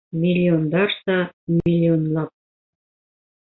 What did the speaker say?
Миллиондарса, миллионлап